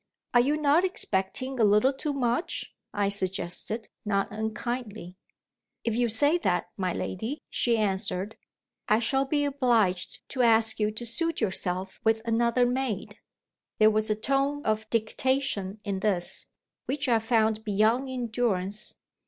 "Are you not expecting a little too much?" I suggested not unkindly. "If you say that, my lady," she answered, "I shall be obliged to ask you to suit yourself with another maid." There was a tone of dictation in this, which I found beyond endurance.